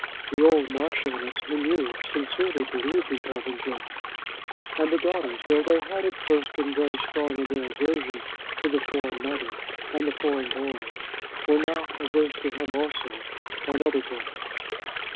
The old Marchioness, he knew, sincerely believed in Popenjoy. And the daughters, though they had at first been very strong in their aversion to the foreign mother and the foreign boy, were now averse to him also, on other grounds.